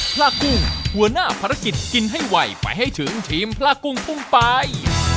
พระกุ้งหัวหน้าภารกิจกินให้ไวไปให้ถึงทีมพระกุ้งกุ้งไป